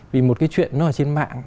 vì một cái chuyện nó ở trên mạng